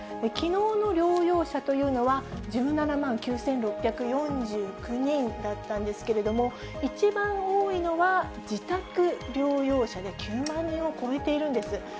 きのうの療養者というのは、１７万９６４９人だったんですけれども、一番多いのは自宅療養者で、９万人を超えているんです。